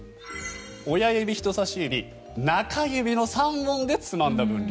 親指、人さし指、中指の３本でつまんだ分量。